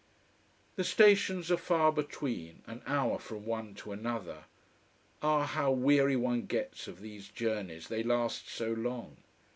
The stations are far between an hour from one to another. Ah, how weary one gets of these journeys, they last so long.